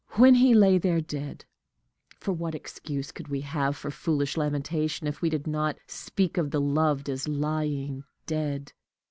When he lay there dead for what excuse could we have for foolish lamentation, if we did not speak of the loved as _lying dead?